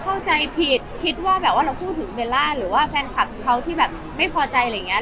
เข้าใจผิดคิดว่าแบบว่าเราพูดถึงเบลล่าหรือว่าแฟนคลับเขาที่แบบไม่พอใจอะไรอย่างเงี้